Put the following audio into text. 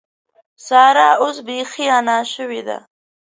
سارا اوس بېخي انا شوې ده.